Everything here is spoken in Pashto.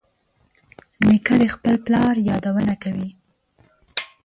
نیکه د خپل پلار یادونه کوي.